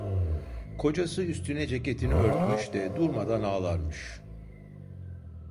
Kocası üstüne ceketini örtmüş de durmadan ağlarmış.